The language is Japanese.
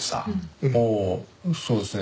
ああそうですね。